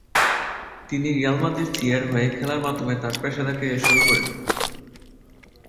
তিনি Real Madrid সি-এর হয়ে খেলার মাধ্যমে তার পেশাদার ক্যারিয়ার শুরু করেন।